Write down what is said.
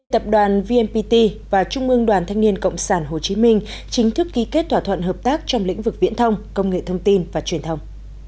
tập đoàn vnpt và trung ương đoàn thanh niên cộng sản hồ chí minh chính thức ký kết thỏa thuận hợp tác trong lĩnh vực viễn thông công nghệ thông tin và truyền thông